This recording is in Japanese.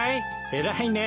偉いねえ。